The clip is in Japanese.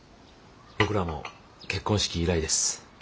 僕らも結婚式以来です。